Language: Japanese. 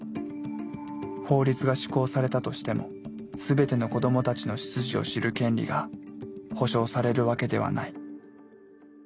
法律が施行されたとしても全ての子どもたちの出自を知る権利が保障されるわけではない。